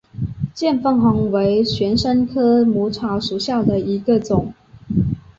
见风红为玄参科母草属下的一个种。